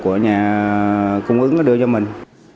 của nhà cung ứng nó đưa cho mình